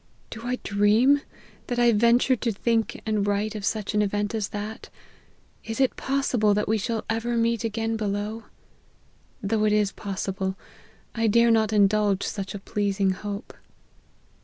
Do I dream ! that I venture to think and write of sucli an event as that ? Is it possible that we shall ever meet again below ? Though it is possible, I dare not indulge such a pleasing hope.